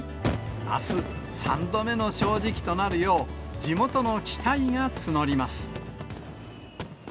あす、三度目の正直となるよう、地元の期待が募ります。